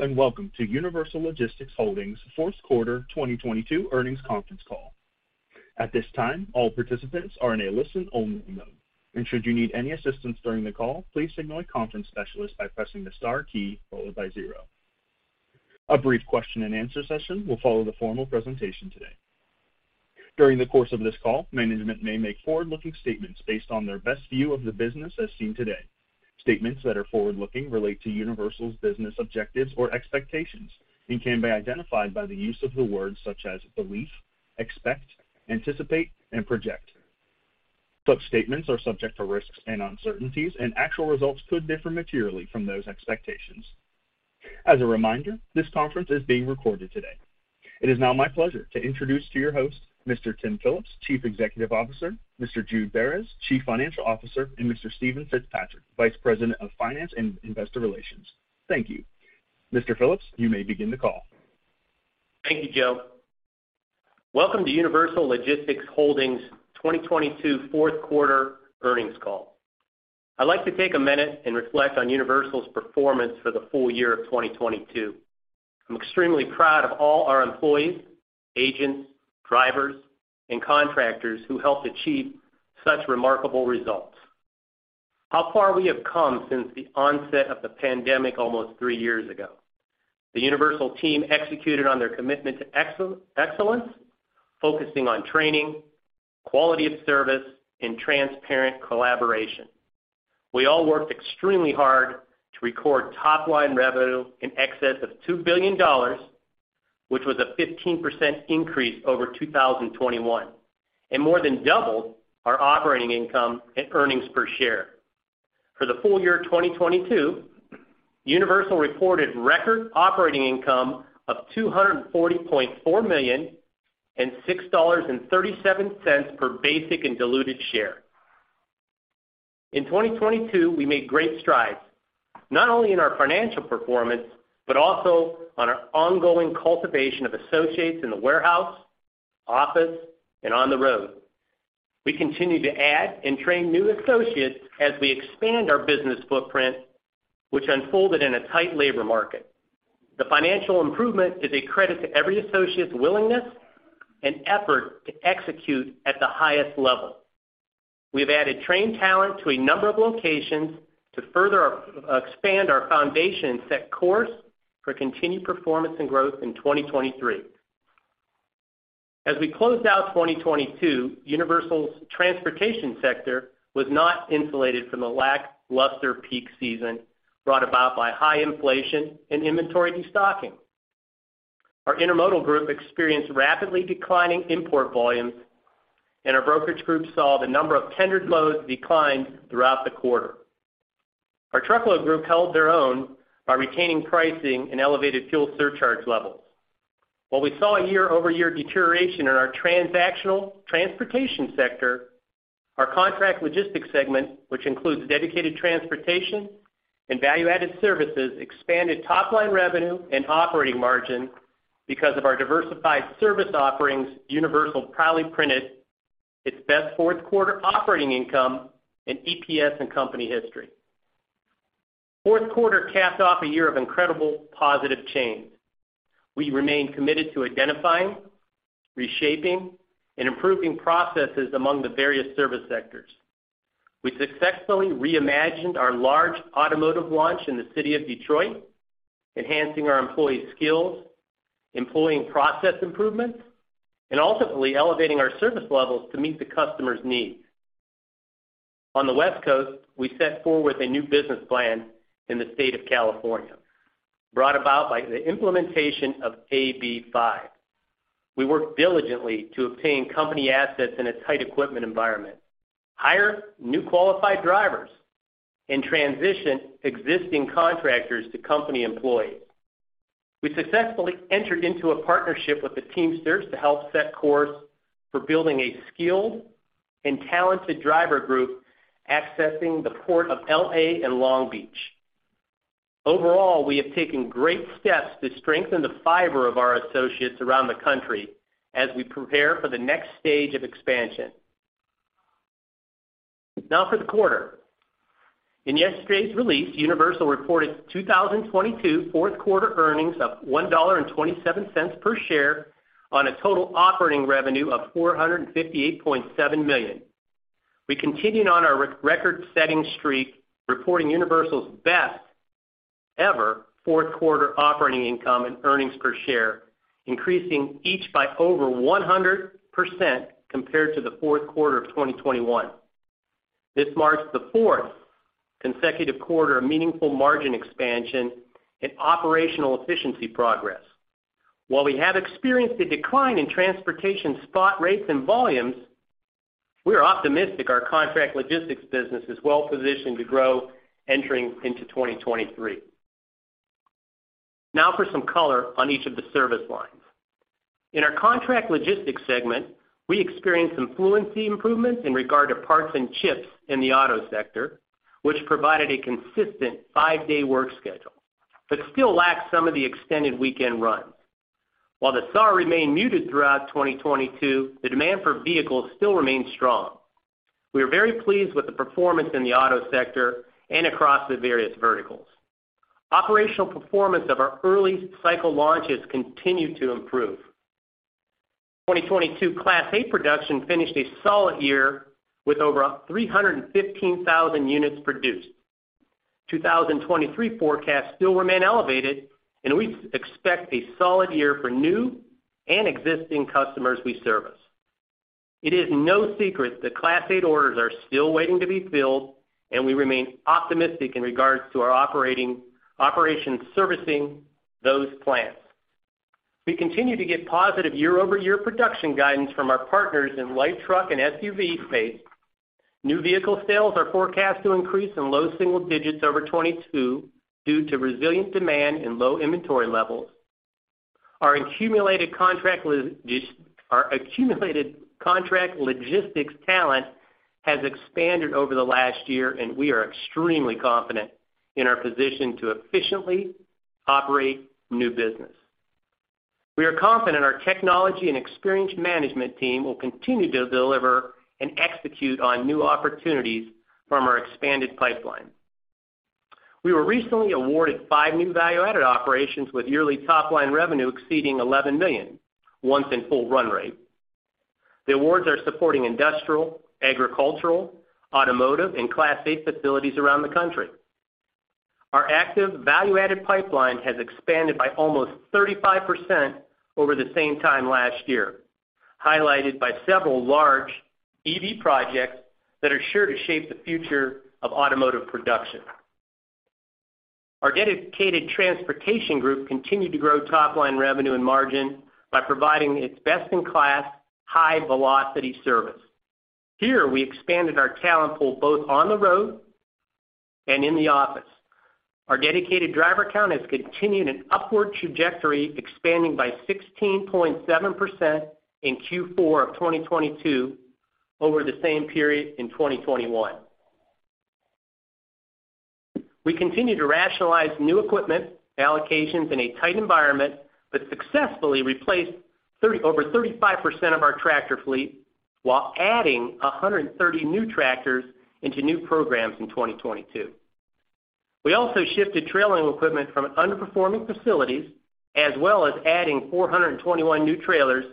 Hello, welcome to Universal Logistics Holdings 4th quarter 2022 earnings conference call. At this time, all participants are in a listen-only mode. Should you need any assistance during the call, please signal a conference specialist by pressing the star key followed by 0. A brief question-and-answer session will follow the formal presentation today. During the course of this call, management may make forward-looking statements based on their best view of the business as seen today. Statements that are forward-looking relate to Universal's business objectives or expectations and can be identified by the use of the words such as believe, expect, anticipate, and project. Such statements are subject to risks and uncertainties, and actual results could differ materially from those expectations. As a reminder, this conference is being recorded today. It is now my pleasure to introduce to your host, Mr. Tim Phillips, Chief Executive Officer, Mr. Jude Beres, Chief Financial Officer, and Mr. Steven Fitzpatrick, Vice President of Finance and Investor Relations. Thank you. Mr. Phillips, you may begin the call. Thank you, Joe. Welcome to Universal Logistics Holdings 2022 fourth quarter earnings call. I'd like to take a minute and reflect on Universal's performance for the full year of 2022. I'm extremely proud of all our employees, agents, drivers, and contractors who helped achieve such remarkable results. How far we have come since the onset of the pandemic almost three years ago. The Universal team executed on their commitment to excellence, focusing on training, quality of service, and transparent collaboration. We all worked extremely hard to record top line revenue in excess of $2 billion, which was a 15% increase over 2021, and more than doubled our operating income and earnings per share. For the full year of 2022, Universal reported record operating income of $240.4 million and $6.37 per basic and diluted share. In 2022, we made great strides, not only in our financial performance, but also on our ongoing cultivation of associates in the warehouse, office, and on the road. We continue to add and train new associates as we expand our business footprint, which unfolded in a tight labor market. The financial improvement is a credit to every associate's willingness and effort to execute at the highest level. We've added trained talent to a number of locations to further our expand our foundation and set course for continued performance and growth in 2023. As we closed out 2022, Universal's transportation sector was not insulated from the lackluster peak season brought about by high inflation and inventory destocking. Our intermodal group experienced rapidly declining import volumes, and our brokerage group saw the number of tendered loads decline throughout the quarter. Our truckload group held their own by retaining pricing and elevated fuel surcharge levels. While we saw a year-over-year deterioration in our transactional transportation sector, our contract logistics segment, which includes dedicated transportation and value-added services, expanded top-line revenue and operating margin. Because of our diversified service offerings, Universal proudly printed its best fourth quarter operating income and EPS in company history. Fourth quarter capped off a year of incredible positive change. We remain committed to identifying, reshaping, and improving processes among the various service sectors. We successfully reimagined our large automotive launch in the city of Detroit, enhancing our employees' skills, employing process improvements, and ultimately elevating our service levels to meet the customer's needs. On the West Coast, we set forward with a new business plan in the state of California, brought about by the implementation of AB5. We worked diligently to obtain company assets in a tight equipment environment, hire new qualified drivers, and transition existing contractors to company employees. We successfully entered into a partnership with the Teamsters to help set course for building a skilled and talented driver group accessing the port of L.A. and Long Beach. Overall, we have taken great steps to strengthen the fiber of our associates around the country as we prepare for the next stage of expansion. Now for the quarter. In yesterday's release, Universal reported 2022 fourth quarter earnings of $1.27 per share on a total operating revenue of $458.7 million. We continued on our re-record-setting streak, reporting Universal's best ever fourth quarter operating income and earnings per share, increasing each by over 100% compared to the fourth quarter of 2021. This marks the fourth consecutive quarter of meaningful margin expansion and operational efficiency progress. While we have experienced a decline in transportation spot rates and volumes, we are optimistic our contract logistics business is well-positioned to grow entering into 2023. For some color on each of the service lines. In our contract logistics segment, we experienced some fluency improvements in regard to parts and chips in the auto sector, which provided a consistent five-day work schedule, but still lacked some of the extended weekend runs. While the SAR remained muted throughout 2022, the demand for vehicles still remains strong. We are very pleased with the performance in the auto sector and across the various verticals. Operational performance of our early cycle launches continue to improve. 2022 Class eight production finished a solid year with over 315,000 units produced. 2023 forecasts still remain elevated, and we expect a solid year for new and existing customers we service. It is no secret that Class eight orders are still waiting to be filled, and we remain optimistic in regards to our operations servicing those plans. We continue to get positive year-over-year production guidance from our partners in light truck and SUV space. New vehicle sales are forecast to increase in low single digits over 2022 due to resilient demand and low inventory levels. Our accumulated contract logistics talent has expanded over the last year, and we are extremely confident in our position to efficiently operate new business. We are confident our technology and experienced management team will continue to deliver and execute on new opportunities from our expanded pipeline. We were recently awarded five new value-added operations with yearly top-line revenue exceeding $11 million, once in full run rate. The awards are supporting industrial, agricultural, automotive, and Class eight facilities around the country. Our active value-added pipeline has expanded by almost 35% over the same time last year, highlighted by several large EV projects that are sure to shape the future of automotive production. Our dedicated transportation group continued to grow top-line revenue and margin by providing its best-in-class high-velocity service. Here, we expanded our talent pool, both on the road and in the office. Our dedicated driver count has continued an upward trajectory, expanding by 16.7% in Q4 of 2022 over the same period in 2021. We continue to rationalize new equipment allocations in a tight environment, successfully replaced over 35% of our tractor fleet, while adding 130 new tractors into new programs in 2022. We also shifted trailing equipment from underperforming facilities, as well as adding 421 new trailers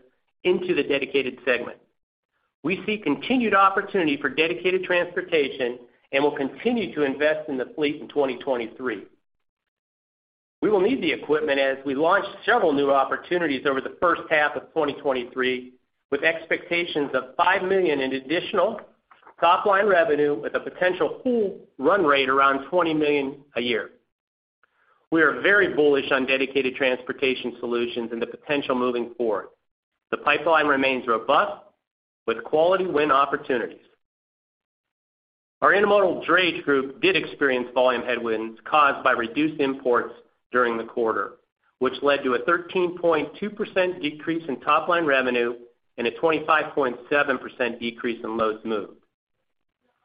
into the dedicated segment. We see continued opportunity for dedicated transportation and will continue to invest in the fleet in 2023. We will need the equipment as we launch several new opportunities over the first half of 2023, with expectations of $5 million in additional top line revenue with a potential full run rate around $20 million a year. We are very bullish on dedicated transportation solutions and the potential moving forward. The pipeline remains robust with quality win opportunities. Our Intermodal drayage group did experience volume headwinds caused by reduced imports during the quarter, which led to a 13.2% decrease in top-line revenue and a 25.7% decrease in loads moved.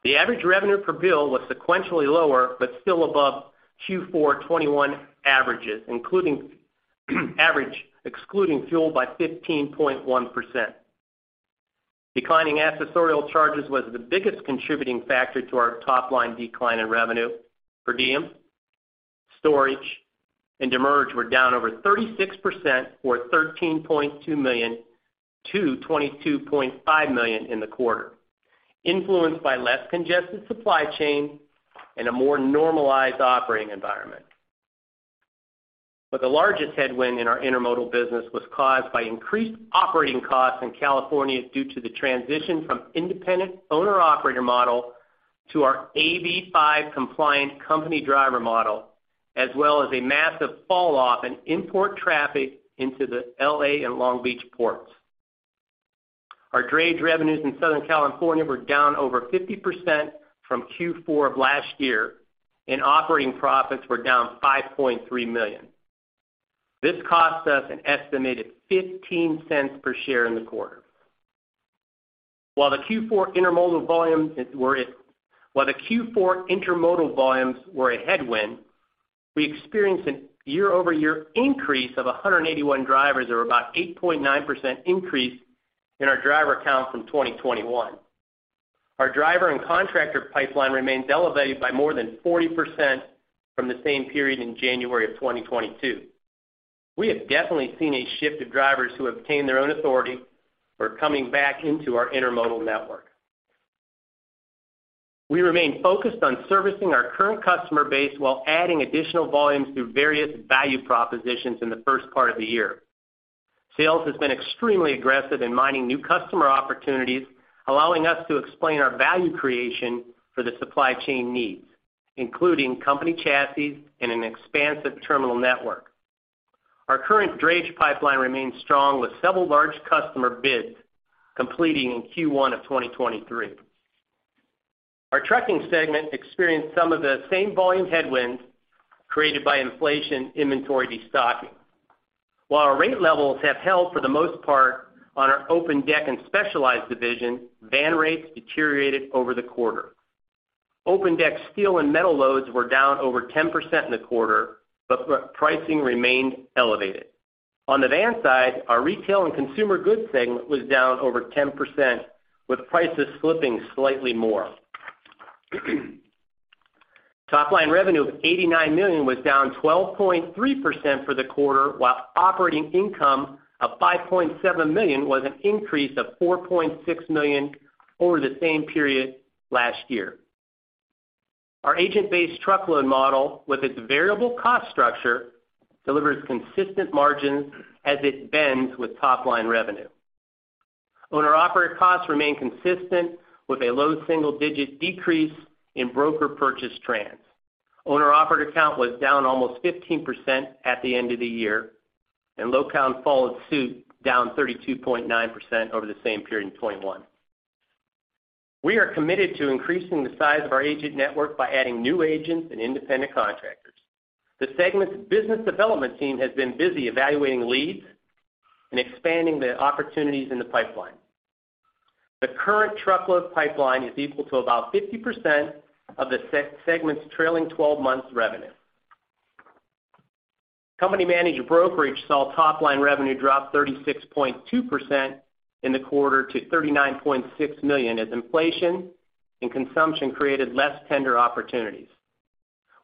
The average revenue per bill was sequentially lower but still above Q4 2021 averages, excluding fuel, by 15.1%. Declining accessorial charges was the biggest contributing factor to our top-line decline in revenue. Per diem, storage, and demurrage were down over 36% or $13.2 million-$22.5 million in the quarter, influenced by less congested supply chain and a more normalized operating environment. The largest headwind in our intermodal business was caused by increased operating costs in California due to the transition from independent owner-operator model to our AB5-compliant company driver model, as well as a massive fall off in import traffic into the L.A. and Long Beach ports. Our drayage revenues in Southern California were down over 50% from Q4 of last year, and operating profits were down $5.3 million. This cost us an estimated $0.15 per share in the quarter. While the Q4 intermodal volumes were a headwind, we experienced an year-over-year increase of 181 drivers, or about 8.9% increase in our driver count from 2021. Our driver and contractor pipeline remains elevated by more than 40% from the same period in January of 2022. We have definitely seen a shift of drivers who obtain their own authority are coming back into our intermodal network. We remain focused on servicing our current customer base while adding additional volumes through various value propositions in the first part of the year. Sales has been extremely aggressive in mining new customer opportunities, allowing us to explain our value creation for the supply chain needs, including company chassis and an expansive terminal network. Our current drayage pipeline remains strong with several large customer bids completing in Q1 of 2023. Our trucking segment experienced some of the same volume headwinds created by inflation inventory destocking. While our rate levels have held for the most part on our open deck and specialized division, van rates deteriorated over the quarter. Open deck steel and metal loads were down over 10% in the quarter, pricing remained elevated. On the van side, our retail and consumer goods segment was down over 10%, with prices slipping slightly more. Top-line revenue of $89 million was down 12.3% for the quarter, while operating income of $5.7 million was an increase of $4.6 million over the same period last year. Our agent-based truckload model, with its variable cost structure, delivers consistent margins as it bends with top-line revenue. Owner-operator costs remain consistent, with a low single-digit decrease in broker purchase trends. Owner-operator count was down almost 15% at the end of the year, and low count followed suit, down 32.9% over the same period in 2021. We are committed to increasing the size of our agent network by adding new agents and independent contractors. The segment's business development team has been busy evaluating leads and expanding the opportunities in the pipeline. The current truckload pipeline is equal to about 50% of the segment's trailing 12 months revenue. Company-managed brokerage saw top-line revenue drop 36.2% in the quarter to $39.6 million, as inflation and consumption created less tender opportunities.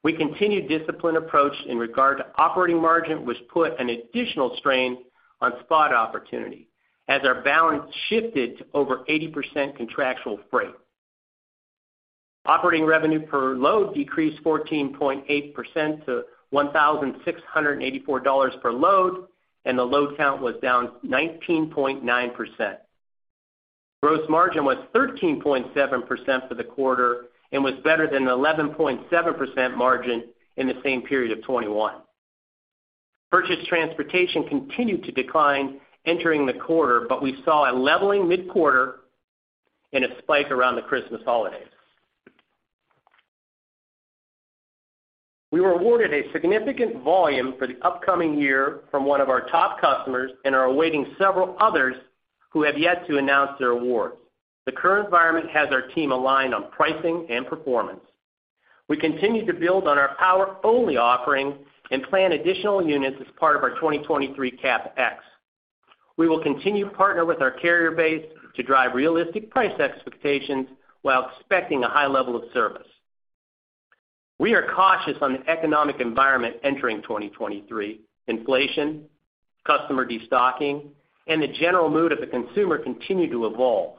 We continued disciplined approach in regard to operating margin, which put an additional strain on spot opportunity as our balance shifted to over 80% contractual freight. Operating revenue per load decreased 14.8% to $1,684 per load, and the load count was down 19.9%. Gross margin was 13.7% for the quarter and was better than 11.7% margin in the same period of 2021. Purchase transportation continued to decline entering the quarter, but we saw a leveling mid-quarter and a spike around the Christmas holidays. We were awarded a significant volume for the upcoming year from one of our top customers and are awaiting several others who have yet to announce their awards. The current environment has our team aligned on pricing and performance. We continue to build on our power-only offering and plan additional units as part of our 2023 CapEx. We will continue to partner with our carrier base to drive realistic price expectations while expecting a high level of service. We are cautious on the economic environment entering 2023. Inflation, customer destocking, and the general mood of the consumer continue to evolve.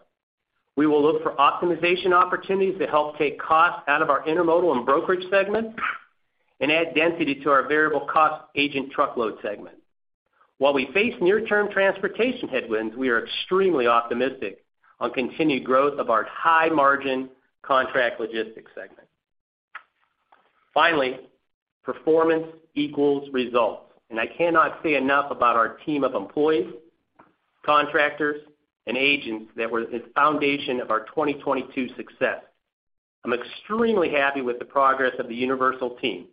We will look for optimization opportunities to help take costs out of our intermodal and brokerage segment and add density to our variable cost agent truckload segment. While we face near-term transportation headwinds, we are extremely optimistic on continued growth of our high-margin contract logistics segment. Performance equals results, and I cannot say enough about our team of employees, contractors, and agents that were the foundation of our 2022 success. I'm extremely happy with the progress of the Universal team.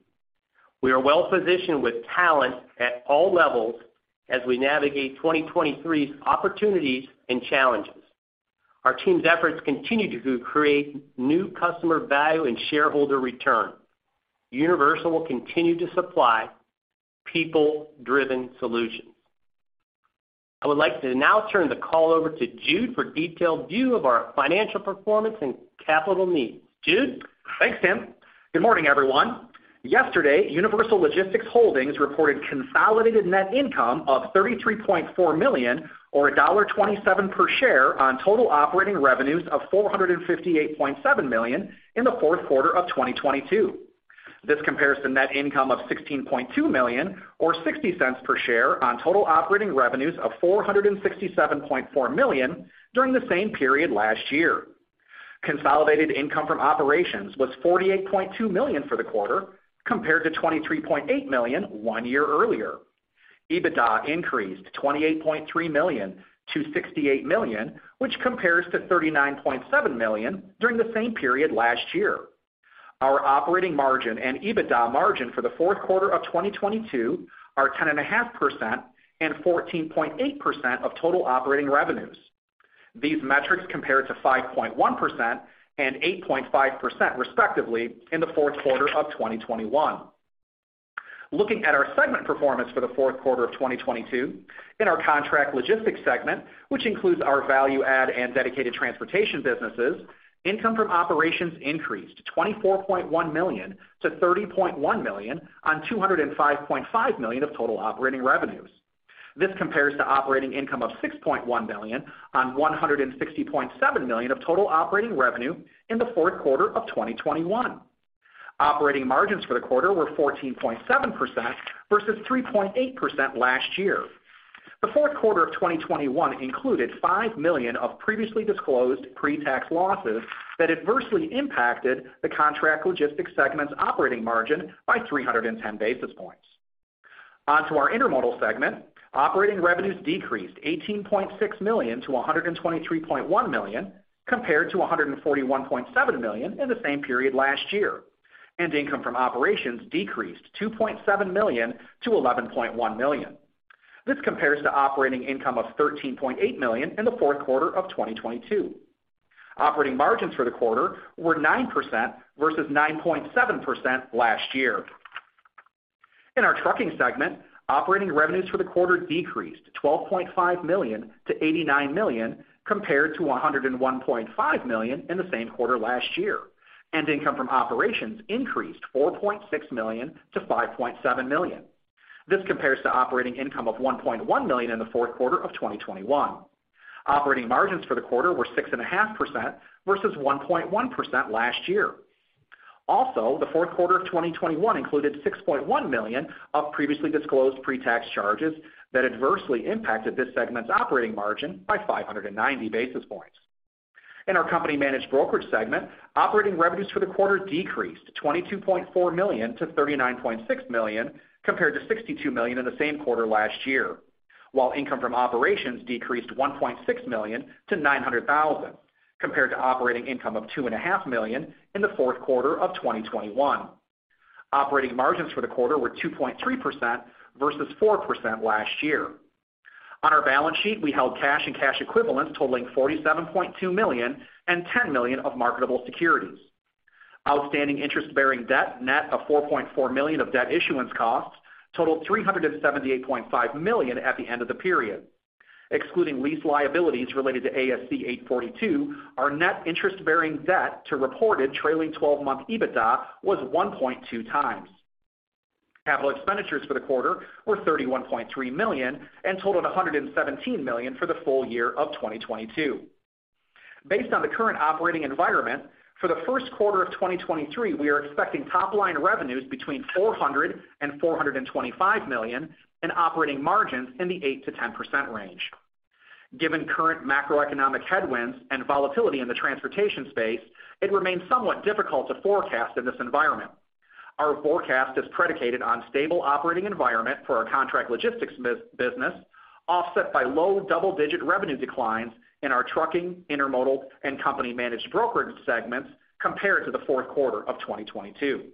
We are well-positioned with talent at all levels as we navigate 2023's opportunities and challenges. Our team's efforts continue to create new customer value and shareholder return. Universal will continue to supply people-driven solutions. I would like to now turn the call over to Jude for detailed view of our financial performance and capital needs. Jude? Thanks, Tim. Good morning, everyone. Yesterday, Universal Logistics Holdings reported consolidated net income of $33.4 million, or $1.27 per share, on total operating revenues of $458.7 million in the fourth quarter of 2022. This compares to net income of $16.2 million or $0.60 per share on total operating revenues of $467.4 million during the same period last year. Consolidated income from operations was $48.2 million for the quarter, compared to $23.8 million one year earlier. EBITDA increased $28.3 million to $68 million, which compares to $39.7 million during the same period last year. Our operating margin and EBITDA margin for the fourth quarter of 2022 are 10.5% and 14.8% of total operating revenues. These metrics compare to 5.1% and 8.5% respectively in the fourth quarter of 2021. Looking at our segment performance for the fourth quarter of 2022, in our contract logistics segment, which includes our value add and dedicated transportation businesses, income from operations increased to $24.1 million-$30.1 million on $205.5 million of total operating revenues. This compares to operating income of $6.1 million on $160.7 million of total operating revenue in the fourth quarter of 2021. Operating margins for the quarter were 14.7% versus 3.8% last year. The fourth quarter of 2021 included $5 million of previously disclosed pre-tax losses that adversely impacted the contract logistics segment's operating margin by 310 basis points. Onto our intermodal segment. Operating revenues decreased $18.6 million-$123.1 million, compared to $141.7 million in the same period last year, and income from operations decreased $2.7 million-$11.1 million. This compares to operating income of $13.8 million in the fourth quarter of 2022. Operating margins for the quarter were 9% versus 9.7% last year. In our trucking segment, operating revenues for the quarter decreased $12.5 million-$89 million compared to $101.5 million in the same quarter last year, and income from operations increased $4.6 million-$5.7 million. This compares to operating income of $1.1 million in the fourth quarter of 2021. Operating margins for the quarter were 6.5% versus 1.1% last year. The fourth quarter of 2021 included $6.1 million of previously disclosed pre-tax charges that adversely impacted this segment's operating margin by 590 basis points. In our company-managed brokerage segment, operating revenues for the quarter decreased $22.4 million-$39.6 million compared to $62 million in the same quarter last year, while income from operations decreased $1.6 million-$900,000, compared to operating income of $2.5 million in the fourth quarter of 2021. Operating margins for the quarter were 2.3% versus 4% last year. On our balance sheet, we held cash and cash equivalents totaling $47.2 million and $10 million of marketable securities. Outstanding interest-bearing debt, net of $4.4 million of debt issuance costs, totaled $378.5 million at the end of the period. Excluding lease liabilities related to ASC 842, our net interest-bearing debt to reported trailing twelve-month EBITDA was 1.2x. Capital expenditures for the quarter were $31.3 million and totaled $117 million for the full year of 2022. Based on the current operating environment, for the first quarter of 2023, we are expecting top line revenues between $400 million-$425 million, and operating margins in the 8%-10% range. Given current macroeconomic headwinds and volatility in the transportation space, it remains somewhat difficult to forecast in this environment. Our forecast is predicated on stable operating environment for our contract logistics business, offset by low double-digit revenue declines in our trucking, intermodal, and company-managed brokerage segments compared to the fourth quarter of 2022.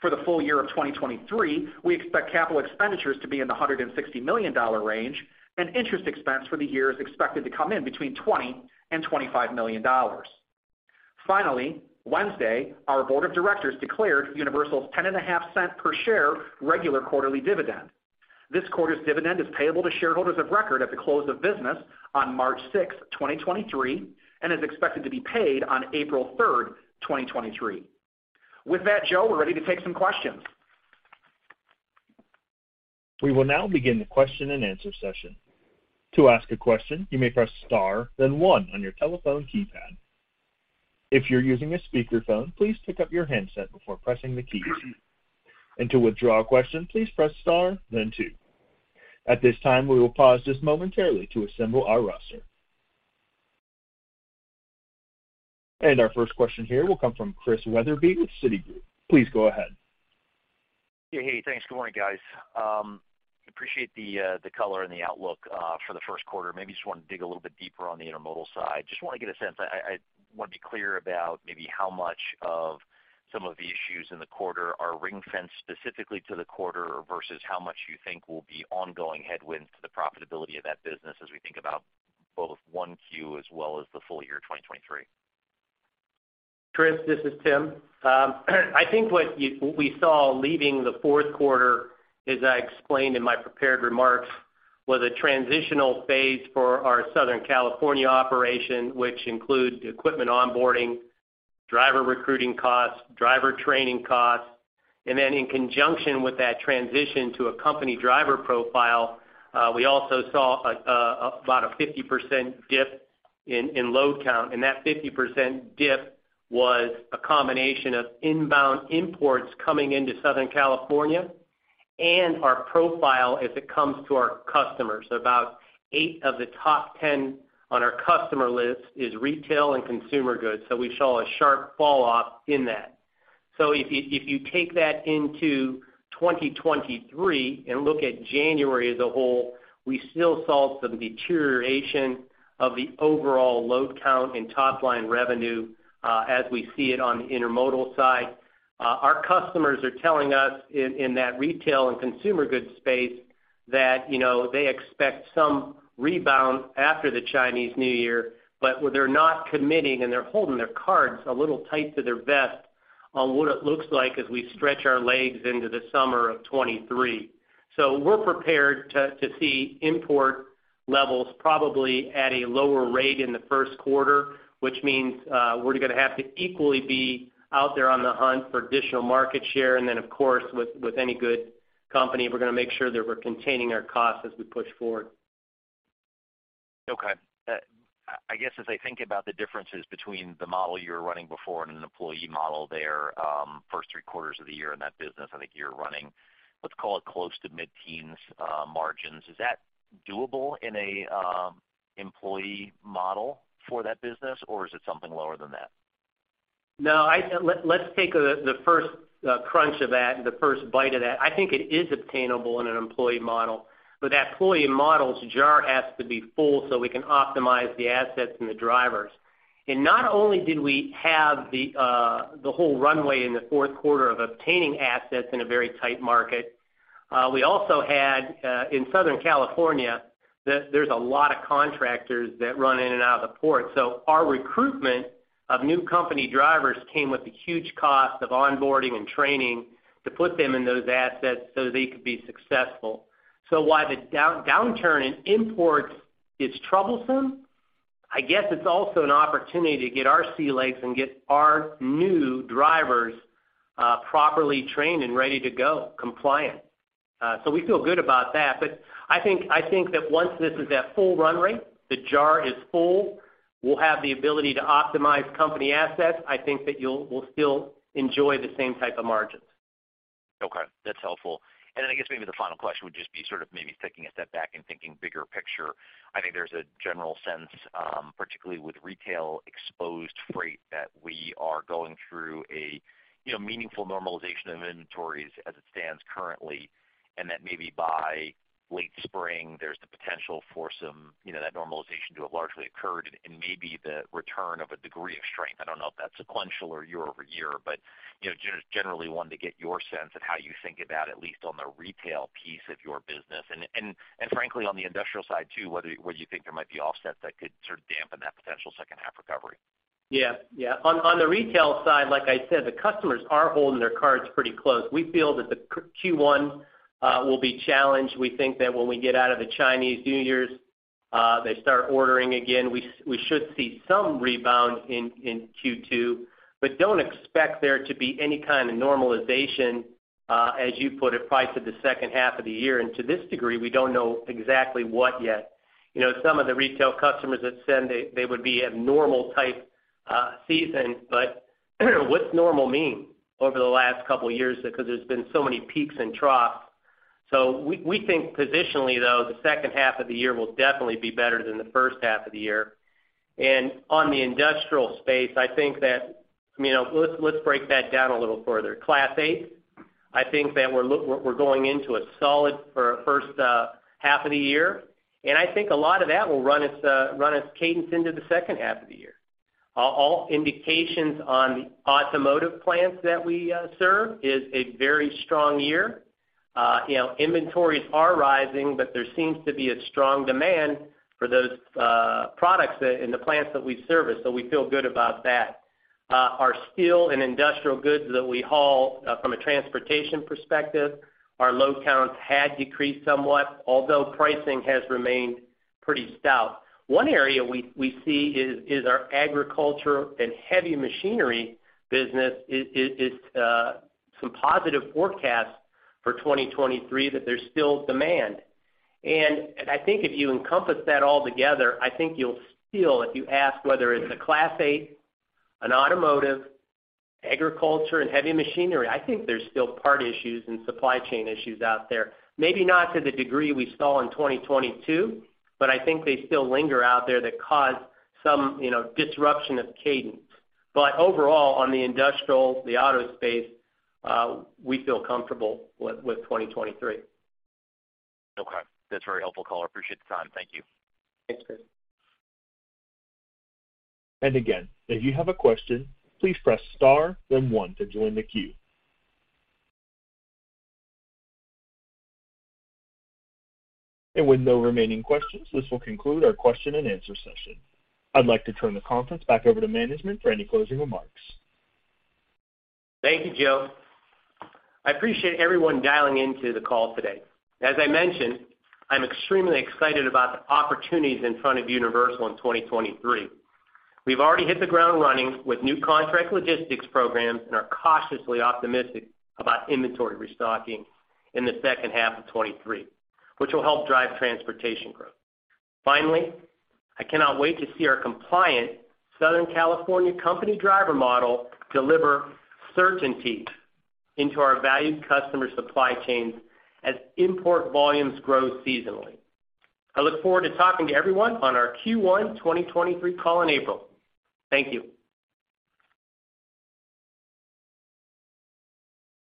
For the full year of 2023, we expect capital expenditures to be in the $160 million range. Interest expense for the year is expected to come in between $20 million and $25 million. Finally, Wednesday, our board of directors declared Universal's 10 and a half cent per share regular quarterly dividend. This quarter's dividend is payable to shareholders of record at the close of business on March 6, 2023, and is expected to be paid on April 3rd, 2023. With that, Joe, we're ready to take some questions. We will now begin the question-and-answer session. To ask a question, you may press star then one on your telephone keypad. If you're using a speakerphone, please pick up your handset before pressing the keys. To withdraw a question, please press star then two. At this time, we will pause just momentarily to assemble our roster. Our first question here will come from Chris Wetherbee with Citigroup. Please go ahead. Yeah. Hey, thanks. Good morning, guys. appreciate the color and the outlook for the first quarter. Maybe just want to dig a little bit deeper on the intermodal side. Just want to get a sense. I want to be clear about maybe how much of some of the issues in the quarter are ring-fence specifically to the quarter versus how much you think will be ongoing headwinds to the profitability of that business as we think about both 1Q as well as the full year 2023. Chris, this is Tim. I think what we saw leaving the fourth quarter, as I explained in my prepared remarks, was a transitional phase for our Southern California operation, which includes equipment onboarding, driver recruiting costs, driver training costs. In conjunction with that transition to a company driver profile, we also saw about a 50% dip in load count. That 50% dip was a combination of inbound imports coming into Southern California and our profile as it comes to our customers. About eight of the top 10 on our customer list is retail and consumer goods, we saw a sharp fall off in that. If you take that into 2023 and look at January as a whole, we still saw some deterioration of the overall load count in top line revenue, as we see it on the intermodal side. Our customers are telling us in that retail and consumer goods space that, you know, they expect some rebound after the Chinese New Year, but they're not committing, and they're holding their cards a little tight to their vest on what it looks like as we stretch our legs into the summer of 2023. We're prepared to see import levels probably at a lower rate in the first quarter, which means, we're gonna have to equally be out there on the hunt for additional market share. Of course, with any good company, we're gonna make sure that we're containing our costs as we push forward. Okay. I guess as I think about the differences between the model you were running before and an employee model there, first three quarters of the year in that business, I think you're running, let's call it close to mid-teens, margins. Is that doable in an employee model for that business, or is it something lower than that? No. Let's take the first crunch of that, the first bite of that. I think it is obtainable in an employee model. With employee models, jar has to be full so we can optimize the assets and the drivers. Not only did we have the whole runway in the fourth quarter of obtaining assets in a very tight market, we also had in Southern California that there's a lot of contractors that run in and out of the port. Our recruitment of new company drivers came with the huge cost of onboarding and training to put them in those assets so they could be successful. While the downturn in imports is troublesome, I guess it's also an opportunity to get our sea legs and get our new drivers properly trained and ready to go compliant. We feel good about that. I think that once this is at full run rate, the jar is full, we'll have the ability to optimize company assets. I think that we'll still enjoy the same type of margins. Okay, that's helpful. I guess maybe the final question would just be sort of maybe taking a step back and thinking bigger picture. I think there's a general sense, particularly with retail exposed freight, that we are going through a, you know, meaningful normalization of inventories as it stands currently, and that maybe by late spring there's the potential for some, you know, that normalization to have largely occurred and maybe the return of a degree of strength. I don't know if that's sequential or year-over-year, but, you know, generally wanted to get your sense of how you think about at least on the retail piece of your business. Frankly, on the industrial side too, what do you think there might be offsets that could sort of dampen that potential second half recovery? Yeah. Yeah. On the retail side, like I said, the customers are holding their cards pretty close. We feel that the Q1 will be challenged. We think that when we get out of the Chinese New Year, they start ordering again, we should see some rebound in Q2, but don't expect there to be any kind of normalization, as you put it, price of the second half of the year. To this degree, we don't know exactly what yet. You know, some of the retail customers had said they would be a normal type season, but what's normal mean over the last couple of years because there's been so many peaks and troughs. We think positionally though, the second half of the year will definitely be better than the first half of the year. On the industrial space, I think that. You know, let's break that down a little further. Class eight, I think that we're going into a solid for a first half of the year, and I think a lot of that will run its cadence into the second half of the year. All indications on the automotive plants that we serve is a very strong year. You know, inventories are rising, but there seems to be a strong demand for those products that in the plants that we service. We feel good about that. Our steel and industrial goods that we haul, from a transportation perspective, our load counts had decreased somewhat, although pricing has remained pretty stout. One area we see is our agriculture and heavy machinery business is some positive forecasts for 2023 that there's still demand. I think if you encompass that all together, I think you'll still, if you ask whether it's a Class 8, an automotive, agriculture and heavy machinery, I think there's still part issues and supply chain issues out there. Maybe not to the degree we saw in 2022, but I think they still linger out there that cause some, you know, disruption of cadence. Overall, on the industrial, the auto space, we feel comfortable with 2023. Okay, that's very helpful, Cole. Appreciate the time. Thank you. Thanks, Chris. Again, if you have a question, please press star then one to join the queue. With no remaining questions, this will conclude our question and answer session. I'd like to turn the conference back over to management for any closing remarks. Thank you, Joe. I appreciate everyone dialing into the call today. As I mentioned, I'm extremely excited about the opportunities in front of Universal in 2023. We've already hit the ground running with new contract logistics programs and are cautiously optimistic about inventory restocking in the second half of 2023, which will help drive transportation growth. Finally, I cannot wait to see our compliant Southern California company driver model deliver certainty into our valued customer supply chains as import volumes grow seasonally. I look forward to talking to everyone on our Q1 2023 call in April. Thank you.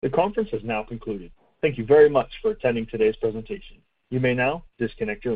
The conference has now concluded. Thank you very much for attending today's presentation. You may now disconnect your lines.